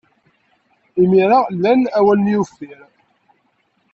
Imir-a, lan awal-nni uffir.